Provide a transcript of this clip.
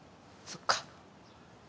そっか。